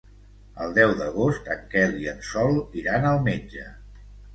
El deu d'agost en Quel i en Sol iran al metge.